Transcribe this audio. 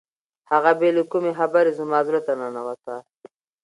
هغه بې له کومې خبرې زما زړه ته ننوته.